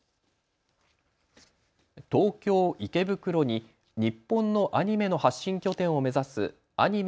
東京池袋に日本のアニメの発信拠点を目指すアニメ